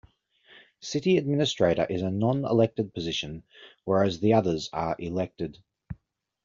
City Administrator is a non-elected position, whereas the others are elected.